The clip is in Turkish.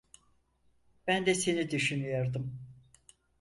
Ben de seni düşünüyordum.